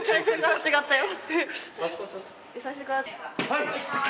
・はい！